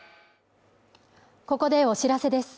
ここでお知らせです